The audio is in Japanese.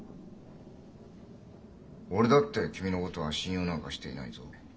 俺だって君のことは信用なんかしていないぞ。